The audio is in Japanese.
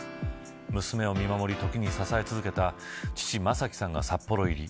娘を見守り、時に支え続けた父、正輝さんが札幌入り。